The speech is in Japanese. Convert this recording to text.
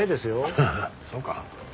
ハハそうか？